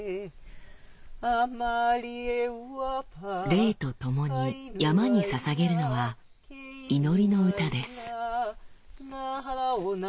レイとともに山に捧げるのは祈りの歌です。